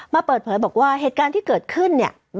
เปิดเผยบอกว่าเหตุการณ์ที่เกิดขึ้นเนี่ย